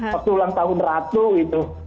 waktu ulang tahun ratu itu